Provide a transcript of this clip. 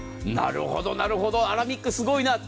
なるほど、アラミックすごいな。